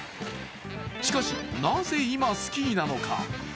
しかし、なぜ今、スキーなのか。